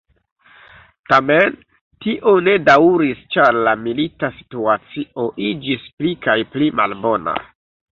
Tamen, tio ne daŭris ĉar la milita situacio iĝis pli kaj pli malbona.